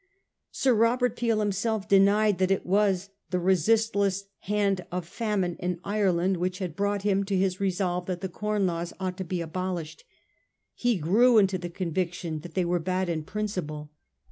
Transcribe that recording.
Sir Robert Peel himself denied that it was the resistless hand of famine in Ireland which had brought him to his resolve that the Com Laws ought to be abolished. He grew into the conviction that they were bad in principle.